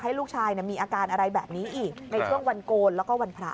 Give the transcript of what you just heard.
ลูกชายมีอาการอะไรแบบนี้อีกในช่วงวันโกนแล้วก็วันพระ